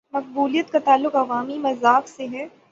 مقبولیت کا تعلق عوامی مذاق سے ہے۔